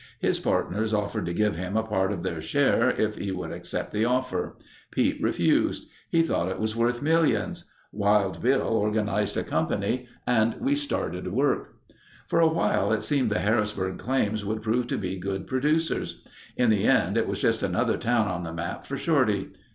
His partners offered to give him a part of their share if he would accept the offer. Pete refused. He thought it was worth millions. Wild Bill organized a company and we started work." For awhile it seemed the Harrisburg claims would prove to be good producers. In the end it was just another town on the map for Shorty.